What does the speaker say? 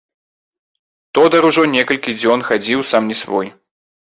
Тодар ужо некалькі дзён хадзіў сам не свой.